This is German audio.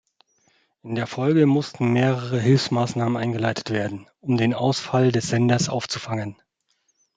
In der Folge mussten mehrere Hilfsmaßnahmen eingeleitet werden, um den Ausfall des Senders aufzufangen.